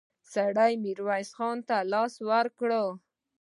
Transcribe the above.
سړي ميرويس خان ته لاس ورکړ.